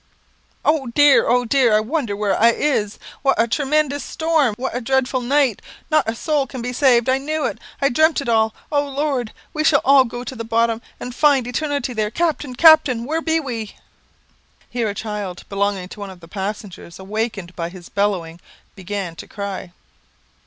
"Oh, dear! oh, dear! I wonder where I is; what a tre men dous storm what a dreadful night not a soul can be saved, I knew it I dreampt it all. Oh Lord! we shall all go to the bottom, and find eternity there Captain captain where be we?" Here a child belonging to one of the passengers, awakened by his bellowing, began to cry.